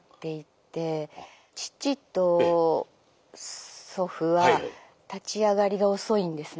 父と祖父は立ち上がりが遅いんですね。